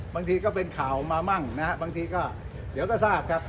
ก็เป็นข่าวมามั่งนะฮะบางทีก็เดี๋ยวก็ทราบครับ